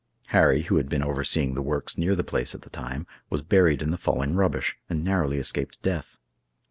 Harry, who had been overseeing the works near the place at the time, was buried in the falling rubbish, and narrowly escaped death.